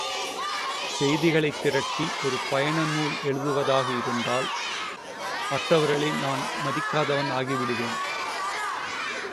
செய்திகளைத் திரட்டி ஒரு பயண நூல் எழுதுவதாக இருத்தால் மற்றவர்களை நான் மதிக்காதவன் ஆகிவிடுவேன்.